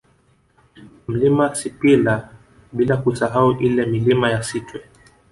Mlima Sipila bila kusahau ile Milima ya Sitwe